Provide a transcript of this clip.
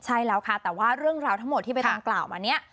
ใช่แล้วค่ะแต่ว่าเรื่องราวทั้งหมดที่ใบตองกล่าวมาเนี่ย